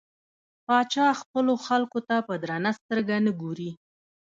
پاچا خپلو خلکو ته په درنه سترګه نه ګوري .